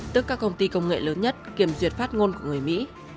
tức các công ty công nghệ lớn nhất kiểm duyệt phát ngôn của người mỹ